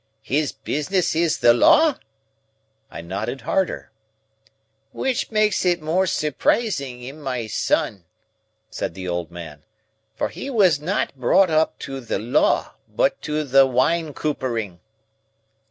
His business is the Law?" I nodded harder. "Which makes it more surprising in my son," said the old man, "for he was not brought up to the Law, but to the Wine Coopering."